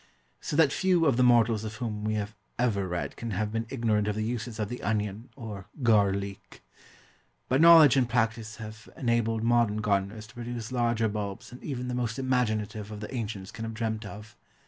So that few of the mortals of whom we have ever read can have been ignorant of the uses of the onion, or gar leek. But knowledge and practice have enabled modern gardeners to produce larger bulbs than even the most imaginative of the ancients can have dreamt of.